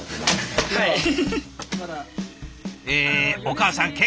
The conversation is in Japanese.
えお母さん